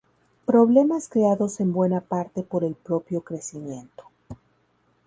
Problemas creados en buena parte por el propio crecimiento.